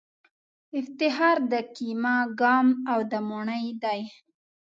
افتخار د کېمه ګام او د موڼی دی